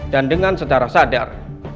dan dengan setara sadar